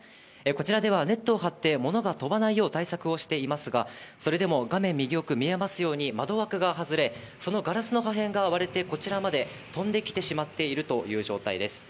こちらではネットを張って物が飛ばないよう対策をしていますが、それでも画面右奥見えますように窓枠が外れ、そのガラスの破片が割れて、こちらまで飛んできてしまっているという状況です。